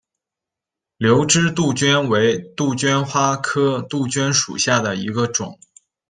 瘤枝杜鹃为杜鹃花科杜鹃属下的一个种。